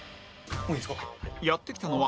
やって来たのはビビリ